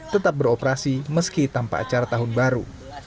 tetap beroperasi meski tanpa acara tahun baru